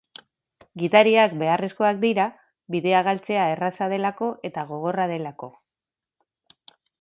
Gidariak beharrezkoak dira, bidea galtzea erraza delako eta gogorra delako.